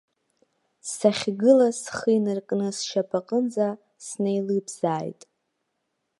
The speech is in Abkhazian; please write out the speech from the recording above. Сахьгылаз схы инаркны сшьапаҟынӡа снеилыбзааит.